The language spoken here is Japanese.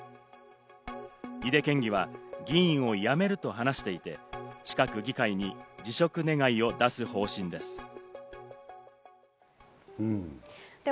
井手県議は議員を辞めると話していて、近く議会に辞職願を出す方針です。